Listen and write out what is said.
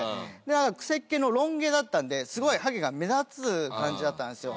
くせっ毛のロン毛だったんですごいハゲが目立つ感じだったんですよ。